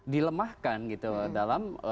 dilemahkan gitu dalam